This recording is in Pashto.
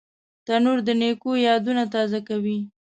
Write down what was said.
تنور د نیکو یادونه تازه کوي